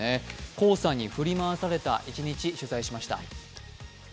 黄砂に振り回された一日、取材しました。